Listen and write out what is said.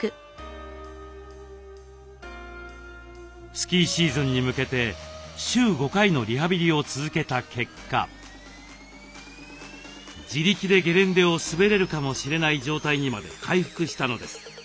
スキーシーズンに向けて週５回のリハビリを続けた結果自力でゲレンデを滑れるかもしれない状態にまで回復したのです。